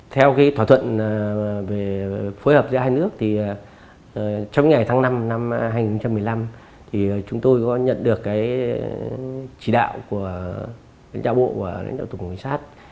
theo thỏa thuận phối hợp giữa hai nước trong ngày tháng năm năm hai nghìn một mươi năm chúng tôi có nhận được chỉ đạo của đảng bộ và đảng đạo tổng công an sát